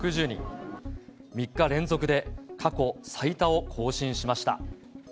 ３日連続で過去最多を更新しました。